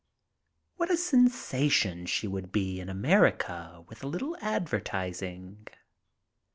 What a sensation she would be in America with a little advertising.